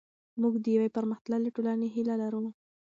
موږ د یوې پرمختللې ټولنې هیله لرو.